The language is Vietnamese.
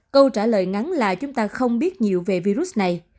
câu trả lời ngắn là chúng ta không biết nhiều về virus này